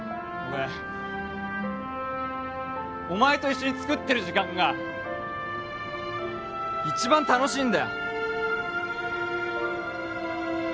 俺お前と一緒に作ってる時間が一番楽しいんだよ